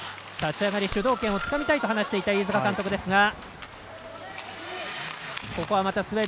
立ち上がり、主導権をつかみたいと話していた飯塚監督です。